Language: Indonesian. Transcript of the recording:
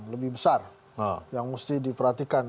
lebih besar yang mesti diperhatikan